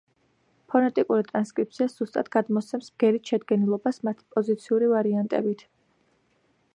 ფონეტიკური ტრანსკრიფცია ზუსტად გადმოსცემს ბგერით შედგენილობას მათი პოზიციური ვარიანტებით.